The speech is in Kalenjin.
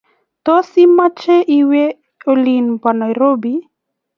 Tos, imache iwe olin bo Nairobi